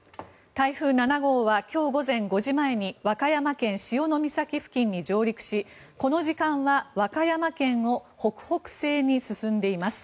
台風７号は今日午前５時前に和歌山県・潮岬付近に上陸しこの時間は和歌山県を北北西に進んでいます。